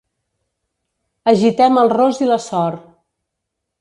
Agitem el ros i la sor.